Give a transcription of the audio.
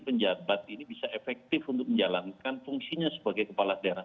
penjabat ini bisa efektif untuk menjalankan fungsinya sebagai kepala daerah